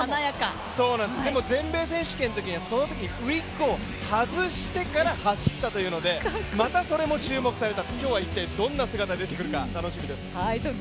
でも全米選手権のときにはウイッグを外してから走ったということでまたそれも注目された、今日は一体どんな姿が出てくるか楽しみです。